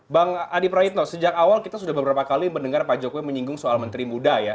bang adi praitno sejak awal kita sudah beberapa kali mendengar pak jokowi menyinggung soal menteri muda ya